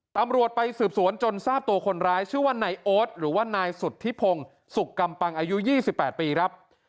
ตำรวจไปสืบสวนจนทราบตัวคนร้ายชื่อว่านายโอ๊ตหรือว่านายสุธิพงศ์สุขกำปังอายุ๒๘ปีครับ